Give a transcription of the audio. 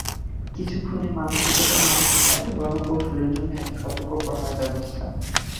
কিছু খুনে মানসিকতার মানুষ এবং তাদের রণকৌশলের জন্যই এত সতর্ক প্রহরার ব্যবস্থা!